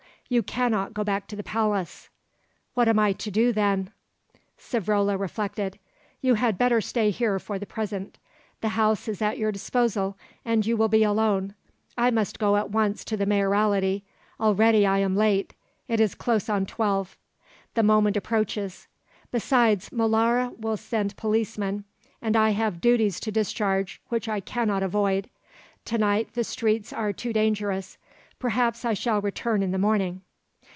"You cannot go back to the palace." "What am I to do, then?" Savrola reflected. "You had better stay here for the present. The house is at your disposal, and you will be alone. I must go at once to the Mayoralty; already I am late, it is close on twelve, the moment approaches. Besides, Molara will send policemen, and I have duties to discharge which I cannot avoid. To night the streets are too dangerous. Perhaps I shall return in the morning."